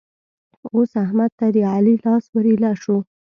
اوس احمد ته د علي لاس ور ايله شو.